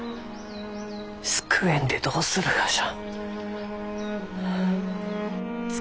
救えんでどうするがじゃ？